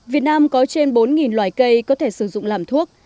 việt nam có trên bốn loài cây có thể sử dụng làm thuốc